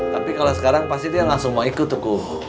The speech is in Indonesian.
tapi kalau sekarang pasti dia langsung mau ikut tuh